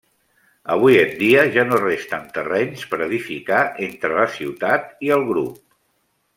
Avui en dia ja no resten terrenys per edificar entre la ciutat i el grup.